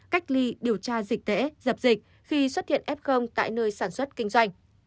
cách ly điều tra dịch tễ dập dịch khi xuất hiện f tại nơi sản xuất kinh doanh